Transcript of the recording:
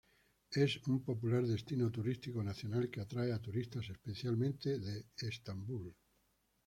Es un popular destino turístico nacional, que atrae a turistas, especialmente de Estambul.